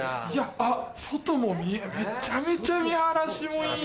あっ外もめちゃめちゃ見晴らしもいいじゃん。